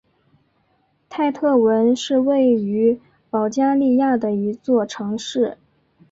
泰特文是位于保加利亚的一座城市。